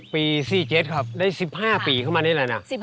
ปี๔๗ครับได้๑๕ปีเข้ามานี่แหละนะ